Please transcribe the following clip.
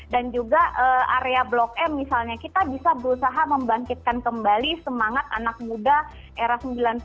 dan juga area blok m misalnya kita bisa berusaha membangkitkan kembali semangat anak muda era sembilan puluh s